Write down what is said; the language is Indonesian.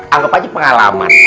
anggap aja pengalaman